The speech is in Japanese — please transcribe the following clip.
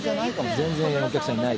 全然お客さんいない。